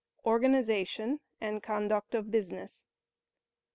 ORGANIZATION AND CONDUCT OF BUSINESS.